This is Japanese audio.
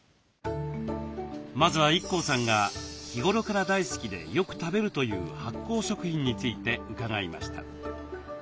まずはＩＫＫＯさんが日頃から大好きでよく食べるという発酵食品について伺いました。